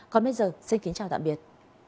còn bây giờ xin kính chào tạm biệt